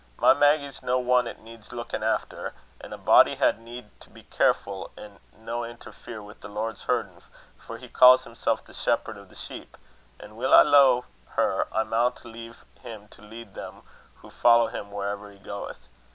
My Maggy's no ane 'at needs luikin' efter; an' a body had need to be carefu' an' no interfere wi' the Lord's herdin', for he ca's himsel' the Shepherd o' the sheep, an' weel as I loe her I maun lea' him to lead them wha follow him wherever he goeth.